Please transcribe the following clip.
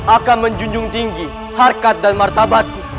akan menjunjung tinggi harkat dan martabatku